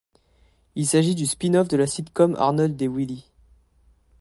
Il s'agit du Spin-off de la sitcom Arnold et Willy.